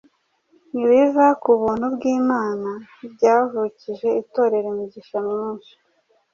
ibiva ku buntu bw’Imana byavukije Itorero imigisha myinshi